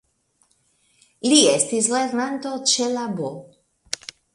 Li estis lernanto ĉe la "B.